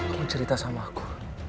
kamu cerita sama aku